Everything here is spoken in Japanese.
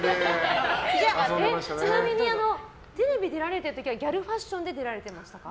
ちなみにテレビに出られてる時はギャルファッションで出られてましたか？